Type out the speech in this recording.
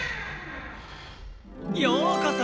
ようこそ！